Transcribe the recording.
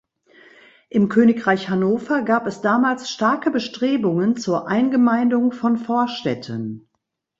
Im Königreich Hannover gab es damals starke Bestrebungen zur Eingemeindung von Vorstädten.